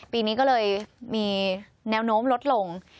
ปีนี้ก็เลยมีแนวโน้มลดลง